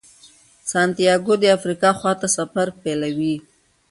سانتیاګو د افریقا خواته سفر پیلوي.